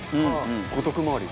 五徳周り。